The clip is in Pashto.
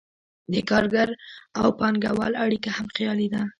د کارګر او پانګهوال اړیکه هم خیالي ده.